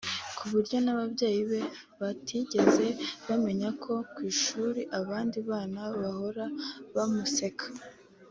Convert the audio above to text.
ku buryo n’ababyeyi be batigeze bamenya ko ku ishuri abandi bana bahora bamuseka